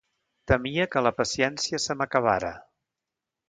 Temia que la paciència se m'acabara...